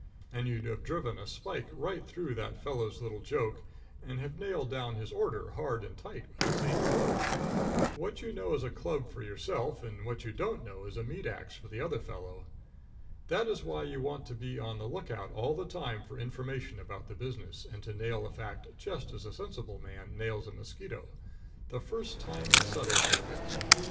And you'd have driven a spike right through that fellow's little joke and have nailed down his order hard and tight with the same blow. What you know is a club for yourself, and what you don't know is a meat ax for the other fellow. That is why you want to be on the lookout all the time for information about the business, and to nail a fact just as a sensible man nails a mosquito the first time it settles near him.